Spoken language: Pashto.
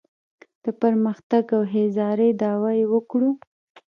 د پرمختګ او ښېرازۍ دعوا یې وکړو.